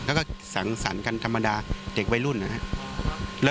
แล้วก็สังสรรค์กันธรรมดาเด็กวัยรุ่นนะครับ